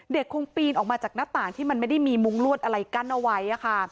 คงปีนออกมาจากหน้าต่างที่มันไม่ได้มีมุ้งลวดอะไรกั้นเอาไว้